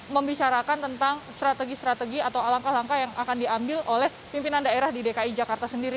membicarakan tentang strategi strategi atau alangkah langkah yang akan diambil oleh pimpinan daerah di dki jakarta sendiri